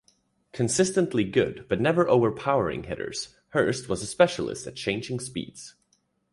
Consistently good but never overpowering hitters, Hurst was a specialist at changing speeds.